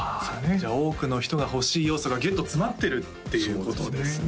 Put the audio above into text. じゃあ多くの人が欲しい要素がギュッと詰まってるっていうことですね